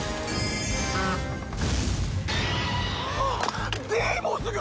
あっデーボス軍！